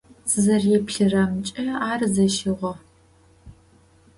Сызэреплъырэмкӏэ ар зэщыгъо.